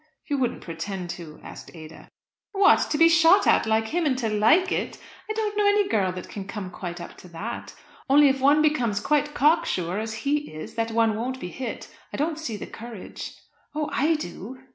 "You wouldn't pretend to?" asked Ada. "What! to be shot at like him, and to like it. I don't know any girl that can come quite up to that. Only if one becomes quite cock sure, as he is, that one won't be hit, I don't see the courage." "Oh, I do!"